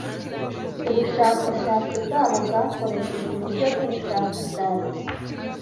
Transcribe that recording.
Ubushakashatsi bwabo bwakoresheje uburyo bwubushakashatsi.